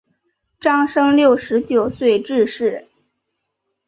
张升六十九岁致仕。